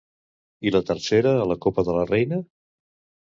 I la tercera a la Copa de la Reina?